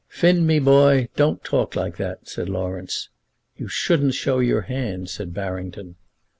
"Finn, me boy, don't talk like that," said Laurence. "You shouldn't show your hand," said Barrington.